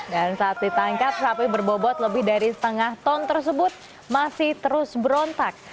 dan saat ditangkap sapi berbobot lebih dari setengah ton tersebut masih terus berontak